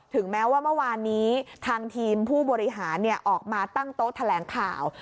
ถึงแม้ว่าเมื่อวานนี้ทางทีมผู้บริหารออกมาตั้งโต๊ะแถลงข่าว